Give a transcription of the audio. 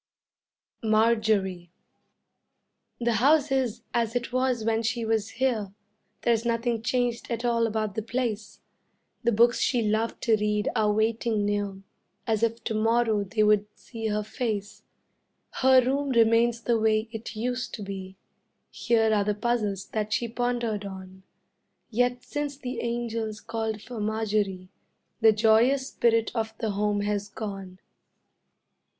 ] MARJORIE The house is as it was when she was here; There's nothing changed at all about the place; The books she loved to read are waiting near As if to morrow they would see her face; Her room remains the way it used to be, Here are the puzzles that she pondered on: Yet since the angels called for Marjorie The joyous spirit of the home has gone.